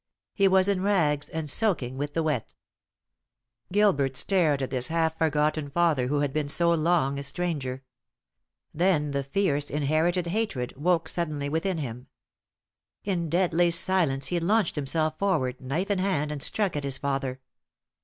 He was in rags and soaking with the wet. Gilbert stared at this half forgotten father who had been so long a stranger. Then the fierce inherited hatred woke suddenly within him. In deadly silence he launched himself forward, knife in hand, and struck at his father.